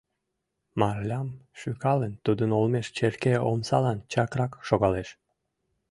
Марлям шӱкалын, тудын олмеш черке омсалан чакрак шогалеш.